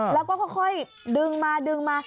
แล้วก็ค่อยดึงมาดึงมา